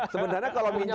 sebenarnya kalau minjam